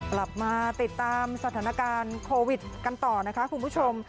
กลับมาติดตามสถานการณ์โควิดกันต่อนะคะคุณผู้ชม